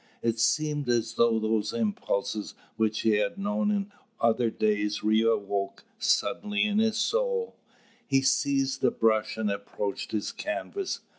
It seemed as though those impulses which he had known in other days re awoke suddenly in his soul. He seized a brush and approached his canvas.